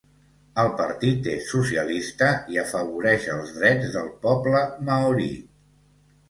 El partit és socialista i afavoreix els drets del poble maori.